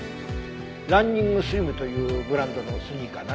ランニングスリムというブランドのスニーカーだね。